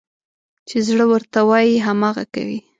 چې زړه ورته وايي، هماغه کوي.